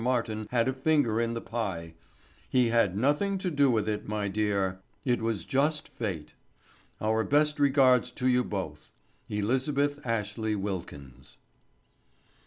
MARTIN HAD A FINGER IN THE PIE—HE HAD NOTHING TO DO WITH IT, MY DEAR—IT WAS JUST FATE. OUR BEST REGARDS TO YOU BOTH. ELIZABETH ASHLEY WILKINS.